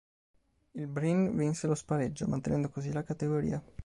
Il Bryne vinse lo spareggio, mantenendo così la categoria.